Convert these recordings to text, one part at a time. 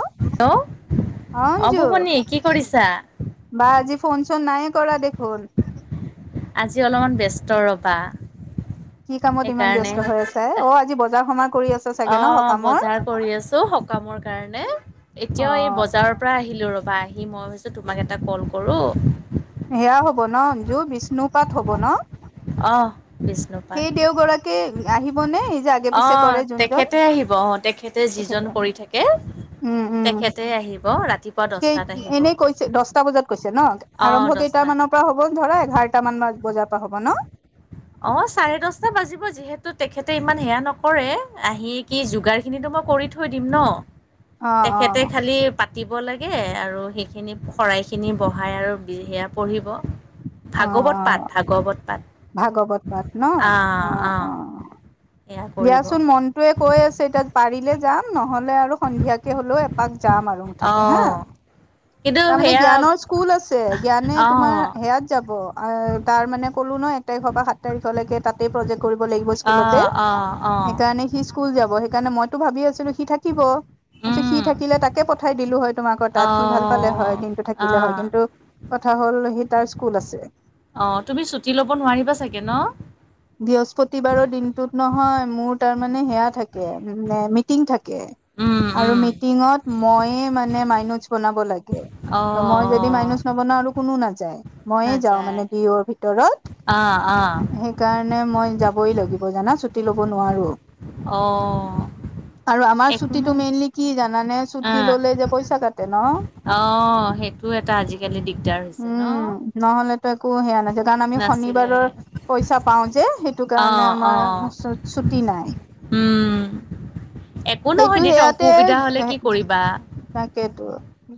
অ hello Anju অভুপনী কি কৰিছা? বা আজি ফোন চোন নাইে কৰা দেখোন। আজি অলপমান ব্যস্ত ৰবা। কি কামত ইমান সেইকাৰণে ব্যস্ত হৈ আছে অ আজি বজাৰ সমত অ বজাৰ কৰি আছো সকামৰ কাৰণে অ এতিয়াও এই বজাৰৰ পৰা আহিলো ৰবা সি মই ভাবছোঁ তোমাক এটা কল কৰোঁ সেয়া হব ন অঞ্জু বিষ্ণু পাত হব ন। অঁ'। বিষ্ণুপাত সেই দেওগৰাকী আহিব নে এই যে আগে অ পিছে কৰে যোনজন তেখেতে আহিব আহ তেখেতে। ডিচিজন কৰি থাকে। উম উম তেখেতে আহিব ৰাতিপুৱা কেই দহটাত আহিব এনেই অ', দহ টা মানৰ পৰা হ'ব ধৰা এঘাৰটা মান বজাৰ পৰা হ'ব ন। অ চাৰে দহটা বাজিব যিহেতু তেখেতে ইমান সেয়া নকৰে আহি কি যোগাৰ খিনি থৈ দিম ন অ অ খালি পতিব লাগে আৰু সেইখিনি শৰাইখিনি বহাই আৰু সেয়া পঢ়িব। অ অ ভাগৱত পাঠ ভাগৱত পাঠ। ভাগৱত পাঠ ন অঁ অ', অঁ অ',। সেয়া কৰিব দিয়াচোন মনটয়ে কৈ আছে এতিাত পাৰিলে যাম। নহলে আৰু সন্ধিয়াকে হলেও এপাক যাম আৰু মুঠতে হা। অঁ কিন্তু তাৰ মানে সেয়া জ্ঞানৰ স্কুল আছে জ্ঞানে তোমাৰ অঁ সেয়াত যাব তাৰ মানে কলো নহয় তাৰিখৰ বা সাত তাৰিখলৈকে তাতেই প্ৰজেক্ কৰিব লাগিব স্কুলতে অঁ অঁ অঁ সেইকাৰণে সি স্কুল যাব সেইকাৰণে মইতো ভাবি আছিলো সি থাকিব। উম সি থাকিলে তাকে পঠাই দিলো হয় তোমাকৰ তাত সি ভাল পালে হয় অঁ দিনটো থাকিলে হয় অঁ কিন্তু কথা হ'ল সি তাৰ স্কুল আছে। অ তুমি ছুটি লব নোৱাৰিবা চাগে ন। বৃহস্পতিবাৰৰ দিনটোত নহয় মোৰ তাৰমানানে সেয়া থাকে মিটিং থাকে উম উম আৰু মিটিঙত মইে মানে মাইনজ বনাব লাগে। অঁ ত মই যদি অঁ মাইনচ নবনাও আৰু কোনো নাযায় মইয়ে যাও নাযায় মানে দুৰ ভিতৰত ভিতৰত অঁ অঁ সেইকাৰণে মই যাবই লাগিব জানা ছুটি লব নোৱাৰো। অ'। আৰু আমাৰ ছুটীটো মেইনলি কি জানানে ছুটি ললে যে পইচা কাটে ন। অ', সেইটো এটা আজিকালি দিগদাৰ হৈছে ন। উম নহলেতো একো সেয়া নাযায় কাৰণ আমি নাছিলে শনিবাৰৰ পইচা পাও যে সেইটো অ কাৰণে অ আমাৰ তাৰছত ছুটি নাই। উম একো নহয় সেইটো দেউতা সেয়াতে অসুবিধা হলে কি কৰিবা তাকেতো।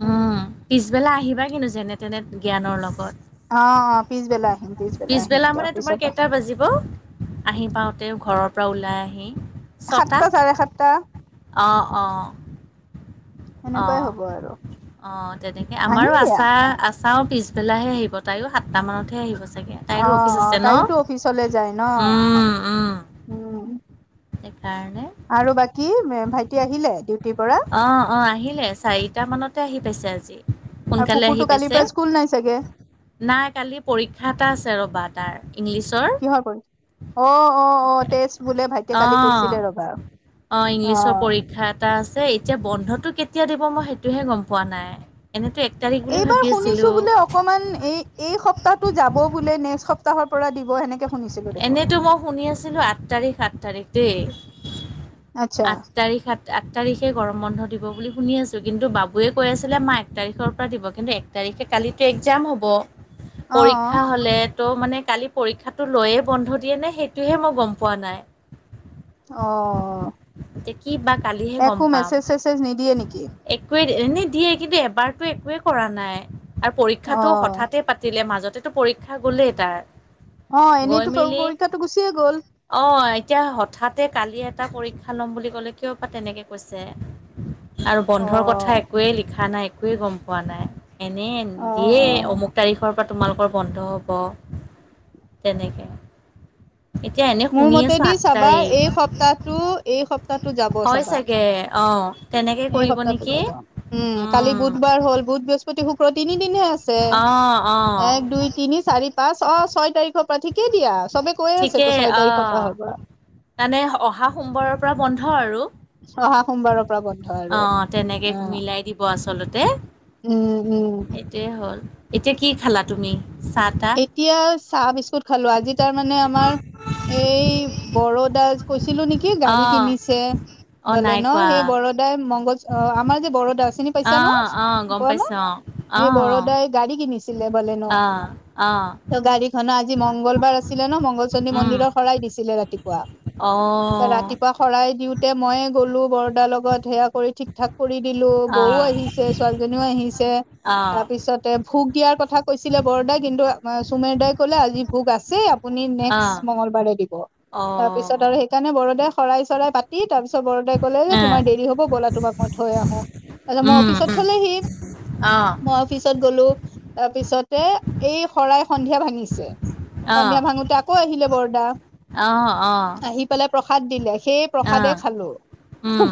উম পিছবেলা আহিবা কিন্তু যেনে তেনে জ্ঞানৰ লগত। অ অ পিছবেলা আহিম আহিম পিছবেলা দিয়া মানে অফিচৰ তোমাৰ পৰা কেইটা বাজিব, আহি পাওতে ঘৰৰ পৰা ওলাই আহি। ছটা, সাতটা চাৰে সাতটা অ'-অ'। সেনেকুৱাই হ'ব আৰু অ-অ', তেনেকে আমাৰো আহিম দিয়া আচা আ চাওঁ পিছবেলাহে আহিব তাইয়ো সাতটা মানতহে আহিব। তাইৰো অ', অফিচ আছে অ', তাইয়োতো অফিচলে যায় ন, উম-উম। উম, সেইকাৰণে আৰু বাকী ভাইটি আহিলে। পৰা অ অ', আহিলে চাৰিটা মানতে আহি পাইছে আজি। আৰু সোনকালে আহি পুপুতটো কালিৰ পাইছে পৰা স্কুল নাই চাগে। নাই কালি পৰীক্ষা এটা আছে ৰ'বা তাৰ ইংলিছৰ। কিহৰ পৰি অ', অ', অ', টেষ্ট বোলে ভাইটিয়ে কালি কৈছিলে ৰ'বা অ'-অ', ইংলিছৰ অ', পৰীক্ষা এটা আছে। এতিয়া বন্ধটো কেতিয়া দিব মই সেইটোহে গম পোৱা নাই। এনেতো এক তাৰিখ বুলি এইবাৰ ভাবি আছিলো শুনিছো বোলে অকমান এই-এই সপ্তাহটো যাব বোলে নেক্সট সপ সপ্তাহৰ পৰা দিব সেনেকে। শুনিছিলো দেখোন এনেইতো মই শুনি আছিলো আঠ তাৰিখ, আঠ তাৰিখ দেই। আচ্ছা আঠ তাৰিখ আঠ তাৰিখে গৰম বন্ধ দিব বুলি শুনি আছো কিন্তু বাবুৱে কৈ আছিলে মা এক তাৰিখৰ পৰা দিব কিন্তু এক তাৰিখ খে কালিতো এক্জাম হ'ব অ', পৰীক্ষা হলে ত' মানে কালি পৰীক্ষাটো লৈয়ে বন্ধ দিয়ে নে খেইটোহে মই পম পোৱা নাই। অ', এতিয়া কি বা কলিহে গম একো পাম। মেছেজ চেছেজ নিদিয়ে নেকি একোৱেই এনে দিয়ে কিন্তু এবাৰতো একোৱে কৰা নাই আৰু পৰীক্ষাটো অ', হঠাতে পাতিলে মাজত, পৰীক্ষা গ'লেই তাৰ। অ', গৈ এনেইতো মেলি পৰীক্ষাটো গুচিয়ে গ'ল অ', এতিয়া হঠাতে কালি এ এটা পৰীক্ষা ল'ম বুলি ক'লে কিয় বা তেনেকে কৈছে। আৰু বন্ধৰ কথা অ', একোৱেই লিখা নাই একোৱেই গম পোৱা নাই। এনে অ', দিয়ে অ', অমুক তাৰিখৰ পৰা। তোমালোকৰ বন্ধ হ'ব তেনেকে। এতিয়া এনে মোৰ শুনি আছো মতেদি আঠ চাবা তাৰিখ এই সপ্তাহটো এই সপ্তাহটো যাব হয় চাবা। চাগে। অ', তেনেকে এই কৰিব সপ্তাহটো নেকি যাব উম কালি বুধবাৰ হল বুধ, বৃহস্পতি, শুক্ৰ তিনিদিনে আছে। অ অ এক, দুই, তিনি, চাৰি, পাঁচ অ' ছয় তাৰিখৰ পৰা ঠিকেই দিয়া। চবে কৈয়ে আছেতো ঠিকেই ছয় তাৰিখৰ পৰা অ', হ'ব। মানে অহা সোমবাৰৰ পৰা বন্ধ আৰু। চহা সোমবাৰৰ পৰা বন্ধ অ আৰু তেনেকে অ'। মিলাই দিব আচলতে উম-উম। সেইটোৱে হ'ল এতিয়া কি খালা তুমি। চাহ তাহ এতিয়া চাহ বিস্কুত খালো আজি তাৰ মানে আমাৰ এই ব ৰো দা কৈছিলো নেকি অ গাড়ী কিনিছে অ নাই বলেন খোৱা সেই বৰদাই মগজ অ', আমাৰ যে বৰদাস। চিনি অ পাইছা ন অ গম কোৱা ন পাইছো অ এই বৰদাই গাড়ী কিনিছিলে বলেন। অ অ অ অ ত গাড়ীখনৰ আজি মংগলবাৰ আছিলে ন মংগল চন্দ্ৰী উম মন্দিৰৰ শৰাই দিছিলে ৰাতি। পোৱা, অ ৰাতিপুৱা শৰাই দিওঁতে মই গলো বৰদাৰ লগত সেয়া কৰি ঠিক ঠাক। কৰি দিলোঁ, অ বৌ আহিছে, ছোৱালীজনীও আহিছে। অ তাৰপিছতে ভোগ দিয়াৰ কথা কৈছিলে বৰদাই, কিন্তু আমাৰ চুমেৰ দাই ক'লে আজি ভোগ আছে। আপুনি অ নেক্সট মংগলবাৰে দিব। অ তাৰ পিছত আৰু সেইকাৰণে বৰদাই শৰাই চৰাই পাতি, তাৰপিছত বৰদাই ক'লে যে, উম তোমাৰ দেৰি হ'ব, বলা তোমাক মই থৈ আহোঁ। তাৰপিছত মোক উম অফিচত উম থলেহি। অ মই অফিচত গ'লো, তাৰপিছত তে এই শৰাই সন্ধিয়া ভাঙিছে। সন্ধিয়া অ', ভাঙোতে আকৌ আহিলে বৰদা। অ', অ', আহি পেলাই প্ৰসাদ দিলে, সেই প্ৰসাদে অ', খালোঁ। উম,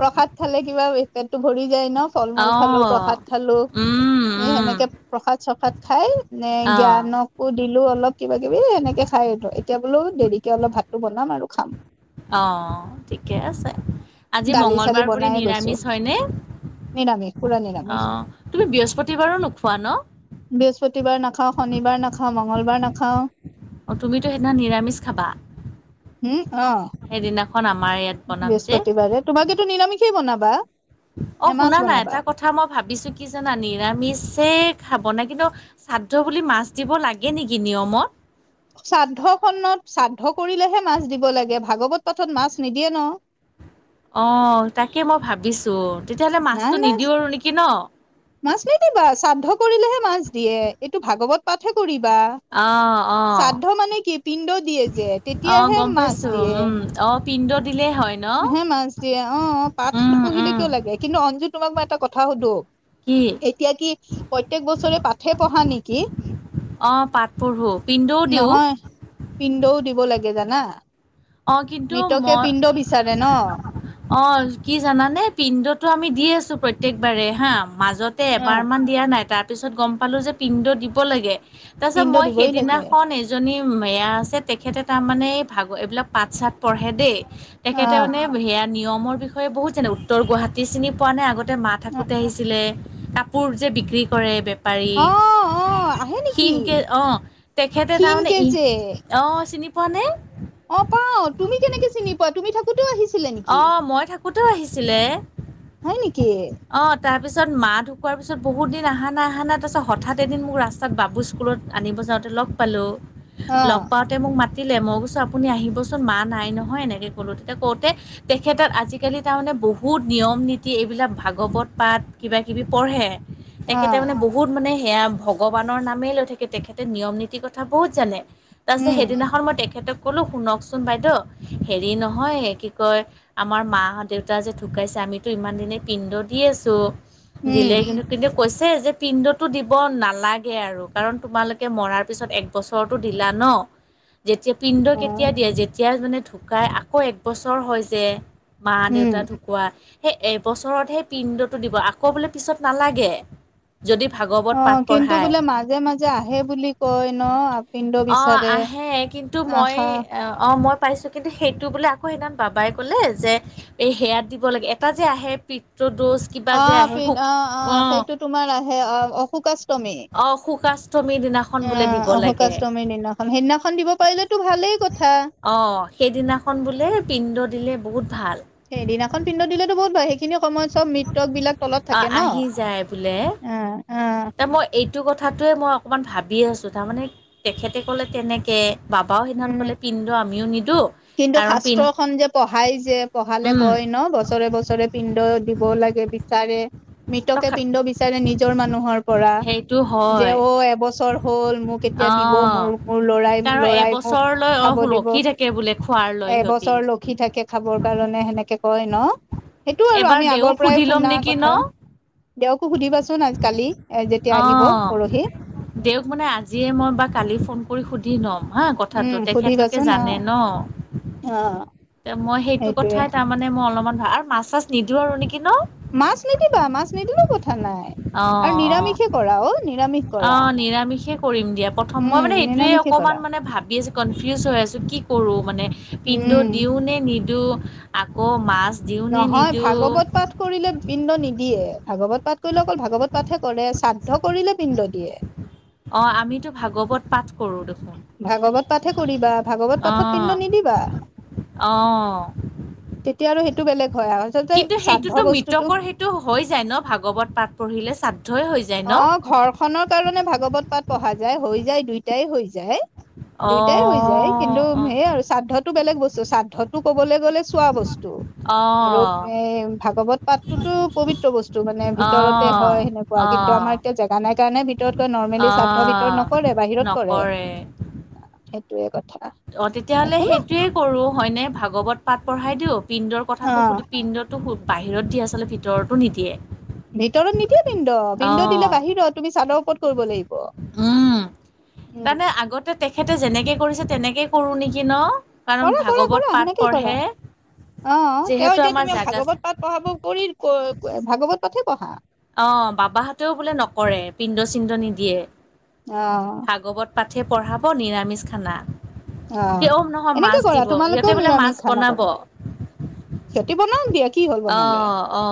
প্ৰসাদ খালে কিবা পেটটো ভৰি যায় ন। ফল-মূল খালোঁ, প্ৰসাদ অ'। খালোঁ। উম, সেই উম, সেনেকে প্ৰসাদ চব সাদ খাই, এনে অ', জ্ঞানকো দিলোঁ অলপ কিবা কিবি এই এনেকে খাই আহিলোঁ। এতিয়া বোলো দেৰিকে অলপ ভাতটো বনাম আৰু খাম। অ ঠিকে আছে। আজি দালি চালি মঙ্গলবাৰ বুলি বনায়ে গৈছো নিৰামিষ হয়নে? নিৰামিষ পুৰা অ নিৰামিষ তুমি বৃহস্পতিবাৰো নোখোৱা ন? বৃহস্পতিবাৰ নাখাওঁ, শনিবাৰ নাখাওঁ, মঙ্গলবাৰ নাখাওঁ। অ তুমিতো সেইদিনাখন নিৰামিষ খাবা। হম অ সেইদিনা বৃহস্পতিবাৰে তোমালোকে তো নিৰামিষেই বনাবা। অ নে মাছ শুনা না বনাবা? এটা কথা মই ভাবিছোঁ কি জানা? নিৰামিষ চে খা বনায়, কিন্তু শ্ৰাদ্ধ বুলি মাছ দিব লাগে নেকি নিয়মত? শ্ৰাদ্ধ খনত শ্ৰাদ্ধ কৰিলেহে মাছ দিব লাগে, ভাগৱত পাঠত মাছ নিদিয়ে ন। অ তাকে মই ভাবিছোঁ। নাই, নাই মাছ নিদিবা শ্ৰাদ্ধ কৰিলেহে মাছ দিয়ে। এইটো ভাগৱত পাঠহে কৰিবা। অ', অ'। শ্ৰাদ্ধ মানে কি পিণ্ড দিয়ে যে, অ তেতিয়াহে গম মাছ পাইছো দিয়ে। উম অ পিণ্ড দিলেই হয় ন হে মাছ দিয়ে। অ পাঠ উম নপঢ়িলে উম কিয় লাগে, কিন্তু অঞ্জু তোমাক মই এটা কথা সুধোঁ কি এতিয়া কি, প্ৰত্যেক বছৰে পাঠে পঢ়া নেকি? অ পাঠ পঢ়ো, পিণ্ডও দিওঁ। নহয় পিণ্ডও দিব লাগে জানা। অ কিন্তু মৃতকে মই পিণ্ড বিচাৰে ন অ কি জানানে? পিণ্ডটো আমি দি আছোঁ। প্ৰত্যেকবাৰে হা মাজতে অ এবাৰমান দিয়া নাই। তাৰপিছত গম পালোঁ যে, পিণ্ড দিব লাগে। তাৰপিছত পিণ্ড মই দিবই লাগে সেইদিনাখন এজনী মেয়া আছে। তেখেতে তাৰমানে, এই ভাগ এইবিলাক পাঠ-ছাঠ পঢ়ে দেই। তেখেতে আহ মানে সেয়া নিয়মৰ বিষয়ে বহুত জানে। উত্তৰ গুৱাহাটী চিনি পোৱা নে? আগত তে মা থাকোঁতে আহিছিলে। কাপোৰ যে বিক্ৰী কৰে বেপাৰী অ অ আহে নেকি ক্ষীণ কে অ তেখেতে তাৰমানে ক্ষীণকে যে ই অ চিনি পোৱা নে? অ পাওঁ। তুমি কেনেকে চিনি পোৱা? তুমি থাক অ মই থাকোঁতেও আহিছিলে। হয় নেকি অ তাৰ পিছত মা ঢুকোৱাৰ পিছত বহুত দিন অহা নাই, অহা নাই। তাৰপিছত হঠাৎ এদিন মোক ৰাস্তাত বাবু স্কুলত আনিব যাওঁতে লগ পালোঁ। অ লগ পাওঁতে মোক মাতিলে। মই কৈছোঁ আপুনি আহিবচোন, মা নাই নহয় এনেকে ক'লো, তেতিয়া ক'ত তে তেখেতক আজিকালি তাৰমানে বহুত নিয়ম নীতি এইবিলাক ভাগৱত পাঠ কিব কিবি পঢ়ে। অ তেখেতে মানে, বহুত মানে সেয়া ভগৱানৰ নামেই লৈ থাকে। তেখেতে নিয়ম নীতিৰ কথা বহুত জানে। তাৰপিছত উম সেইদিনাখন মই তেখেতক কলোঁ, শুনকচোন বাইদেউ। হেৰি নহয় কি কয়, আমাৰ মাহঁত দেউতা যে ঢুকাইছে আমিতো ইমান দিনেই পিণ্ড দি আছোঁ। উম দিলে কিন্তু কেতিয়াও কৈছে যে, পিণ্ডটো দিব নালাগে আৰু কাৰণ তোমালোকে মৰাৰ পিছত এক বছৰতো দিলা ন যেতিয়া পিণ্ড অ কেতিয়া দিয়ে? যেতিয়া এজনে ঢুকায়, আকৌ একবছৰ হয় যে মা উম দেউতা ঢুকুৱোৱা সেই এবছৰত সেই পিণ্ড'টো দিব আকৌ বোলে পিছত নালাগে যদি ভাগৱত অ পাঠ কিন্তু পঢ়ায় বোলে মাজে মাজে আহে বুলি কয় ন আপিন্দ অ বিচাৰে আহে কিন্তু মই আশা অ মই পাইছো কিন্তু সেইটো বোলে আকৌ সেইদিনা বাবাই ক'লে যে এই সেয়াত দিব লাগে এটা যে আহে প অ পি অ অ সেইটো তোমাৰ আহে অ অশোক অ অ শুকাষ্টমীৰ দিনাখন বোলে দিব লাগে অশোকাষ্টমীৰ দিনাখন সেইদিনাখন দিব পাৰিলে টো ভালেই কথা অ সেইদিনাখন বোলে পিণ্ড দিলে বহুত ভাল সেইদিনাখন পিন্ডত দিলেতো বহুত ভ সেইখিনি সময় চব মৃতকবলাক অ আহি যায় বোলে অ', তাৰ মই এই সটো কথাটোৱে মই অকণমান ভাবিে আছোঁ তাৰমানে তেখেতে ক'লে তেনেকৈ বাবাও সেইদিনাখন উম ক'লে পিন্ধো আমিও নিদো কিন্তু শাস্ত্ৰ খন যে পঢ়াই যে পঢ়ালে উম কয় ন বছৰে বছৰে পিণ্ড দিব লাগে বিচাৰে মৃতকে তখা পিণ্ড বিচাৰে নিজৰ মানুহৰ পৰা সেইটো যে হয় অ এবছৰ হ'ল মোক এতিয়া এয়া দিব অ' মোৰ মোৰ লৰাই ম কাৰণ লৰাই মোক এবছৰলৈ অ' খাব দিব ৰখি থাকে বোলে খোৱাৰ লৈ সিহঁতি এবছৰ লক্ষী থাকে খাবৰ কাৰণে সেনেকে কয় ন সেইটো আৰু এবাৰ আমি দেউক আগৰ পৰাই সুধি ল'ম শুনা নেকি ন কথা দেকো সুধিবাচোন আজ কালি যেয়া অঁ দেক মানে আজিয়ে মই বা কালি ফোন কৰি সুধি ল'ম হা কথাটো উম তেখেতলোকে সুধিবাচোন অ জানে ন অ ত মই সেইটো সেইটোয়ে কথাই তাৰমানে মই অলপমান ভাল আৰু মাছ চাছ নিদিো আৰু নেকি ন মাছ নিদিবা মাছ নিদিবও কথা নাই অ' আৰু অ' নিামিষে কৰাও নিামিষ কৰা মষে কৰিম দিয়া প্ৰথম মই উম মানে সেইটোয়ে নিৰামিষে কৰা অকমান মানে ভাবি আছো কনফিউজ হৈ আছো কি কৰো মানে পিন্ধো উম দিও নে নিদিো আকৌ মাছ দিওঁ নে নহয় নিদিওঁ ভাগৱত পাঠ কৰিলে বিন্দ নিদিয়ে ভাগৱত পাঠ কৰিলে অকল ভাগৱত পাঠহে কৰে শ্ৰাদ্ধ কৰিলে বিন্দ দিয়ে অ আমিতো ভাগৱত পাঠ কৰোঁ দেখোন ভাগৱত পাঠহে কৰিবা ভাগৱত পাঠত পিণ্ড আহ নিদিবা অঁ তেতিয়া আৰু সেইটো বেলেগ হয় আৰু। আচলতে কিন্তু শ্ৰাদ্ধ সেইটোতো বস্তুটো মৃতকৰ সেইটো হৈ যায় ন ভাগৱত পাঠ পঢ়ি িলে চাদ অ ঘৰখনৰ কাৰণে ভাগৱত পাঠ পঢ়া যায় হৈ যায় দুইটাই হৈ যায় দুইটাই হৈ যায় কিন্তু অ', সেইয় আৰু শ্ৰাদ্ধতটো বেলেগ বস্তু শ্ৰাদ্ধতটো কবলৈ গ'লে চোৱা বস্তু আৰু অ', এ ভাগৱত পাঠটোতো পবিত্ৰ বস্তু মানে অ', ভিতৰতে হয় সেনেক কিন্তু অ', আমাৰ এতিয়া জেগা নাই কাৰণে ভিতৰতকৈ নৰ্মেলি শ্ৰাদ্ধ ভিতৰত অ', নকৰে বাহিৰত কৰে নকৰে সেইটোয়ে কথা অ তেতিয়াাহ'লে একো ন সেইটোয়ে কৰো হয়নে ভাগৱত পাঠ পঢ়াই দিওঁ পিণ্ডৰ অ কথাটো সুধো পিণ্ডটো বাহিৰত দিয়ে আচলতে ভিতৰতো নিদিয়ে ভিতৰত নিদিয়া বিড অ বিন্দ দিলে বাহিৰত তুমি চাদৰ ওপৰত কৰিব লাগিব উম তানে আগতে তেখেতে যেনেকে কৰিছে তেনেকে কৰো নেকি ন কাৰণ কৰা কৰা ভাগৱত কৰা নে পাঠ নেকি কৰা পঢ়ে অ তেওঁ যিহেতু এতিয়া আমাৰ তুমি জাগা ভাগৱত পাঠ পঢ়াব কৰি ভাগৱত পাহে পঢ়া অ বাবাহঁতেও বোলে নকৰে পিণ্ড চিণ্ড নিদিয়ে অ ভাগৱত পাঠে পঢ়াব নিৰামিষ খানা আহ কিয় নহয় এনেকে মাছ কৰা দিব সিহঁতে তোমালোকেও বোলে নিৰামিষ মাছ খানা বনাব কৰা সিহঁতি বনাাম দিয়া কি হল অ বনালে অ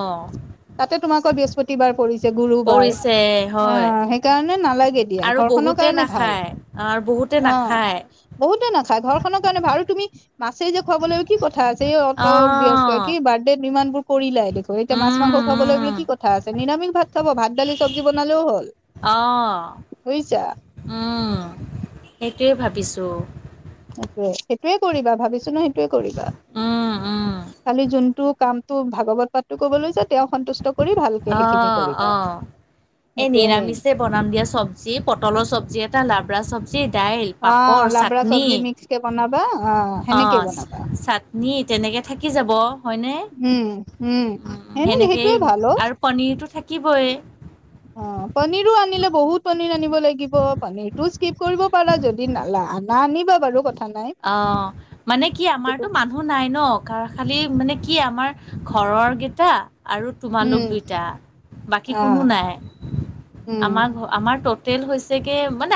তাতে তোমাকৰ বৃহস্পতিবাৰ পৰিছে গুৰুবাৰ পৰিছে অ হয় সেইকাৰণে নালাগে দিয়া আৰু ঘৰখনৰ বহুতে কাৰণে ভাল নাখায় আৰু বহুতে অ নাখায় বহুতে নাখায় ঘৰ খনৰ কাৰণে ভাৰু তুমি মাছে যে খুৱাব ল কি কথা আছে এই অত বহস্ত অঁ কি বাৰ্থড ইমান বোৰ কৰিলাই দেখ এতিয়া মাছ মাংস উম খাবলৈ বোলে উম কি কথা আছে নিৰামিষ ভাত খাব ভাত দালি চব্জি বনালেও হ'ল অ বুজিছা উম সেইটোয়ে য সেইটোৱে সেইটোয়ে কৰিবা ভাবিছো ন সেইটোয়ে কৰিবা উম উম খালি যোনটো কামটো ভাগৱত পাঠটো কবলৈ যায় তেওঁ সন্তুষ্ট কৰি ভালকে সেইখিনি কৰিবা এ সেইটোয়ে মেইন নিৰামিষে বনাম দিয়া চব্জি পটলৰ চব্জি এটা লাভ জি দাইল, অ পাপৰ, লাবৰা চাটনি, চব্জি মিক্স কে বনাবা অ সেনেকে অ', বনাবা চাটনি। তেনেকৈ থাকি যাব হয়নে? উম, উম [unintelligible] এই আৰু পনীৰটো থাকিবই অ', পনীৰো আনিলে বহুত মা আনিব লাগিব, পনীৰটো স্কিপ কৰিব পাৰা যদি লা আনা আনিবা বাৰু কথা নাই অ', মানে কি আমাৰতো মানুহ নাই ন কাৰ খালি মানে কি আমাৰ ঘৰৰ কেইটা আৰু তোমালোক উম দুইটা, বাকী অ কোনো নাই আমাৰ উম ঘ আমাৰ তত টেল হৈছেগৈ মানে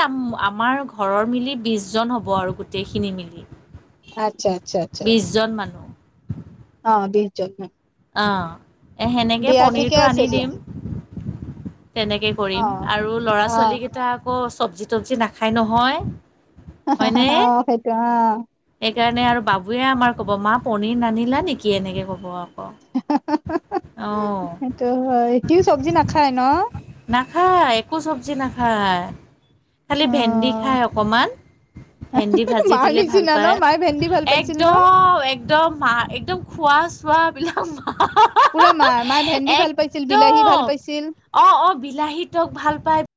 আমাৰ ঘৰৰ মিলি বিছজন হ'ব আৰু গোটেইখিনি মিলি আতচ্ছা, আতচ্ছা, আচ্ছা। বিশজন মানুহ অ', বিশজন ন অ', সেনেকে ঠিকে পনীৰটো আছে আনি দিয়া দিম। তেনেকেই অ কৰিম আৰু ল'ৰা অ ছোৱালীকেইটা আকৌ চব্জি তবজি নাখায় নহয়। অ', হয়নে সেইটো অ'। সেইকাৰণে আৰু বাবুৱে আমাৰ ক'ব মা পনীৰ নানিলা নেকি এনেকৈ ক'ব। আকৌ অ', সেইটো হয়, সিয়ো চব্জি নাখায় ন? নাখায় একো চব্জি নাখায়, খালি অ ভেন্দি খায় অকণমান। ভেন্দি ভাজি মাৰ দিলে ভাল নিচিনা ন পায়, মায়ে ভেন্দি ভাল পাইছিল ন একদম এক একদম মা একদম খোৱা চোৱা বিলাক পুৰা মা মায় ভেন্দি ভাল পাইছিল, বিলাহী একদম ভাল পাইছিল। অ অ বিলাহী টক ভাল পায়